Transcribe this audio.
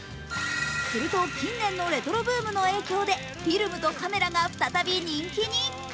すると近年のレトロブームの影響でフィルムとカメラが再び人気に。